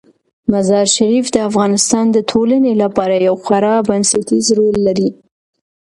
مزارشریف د افغانستان د ټولنې لپاره یو خورا بنسټيز رول لري.